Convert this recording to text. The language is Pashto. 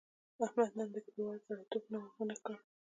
احمد نن له کلیوالو سړیتیوب و نه کړ.